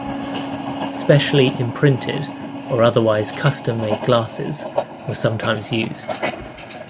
Specially imprinted or otherwise custom-made glasses were sometimes used.